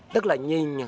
tức là nhìn phố cổ hội an